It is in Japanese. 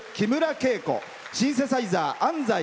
シンセサイザー、安斉亨。